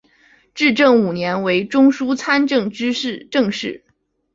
至正五年为中书参知政事。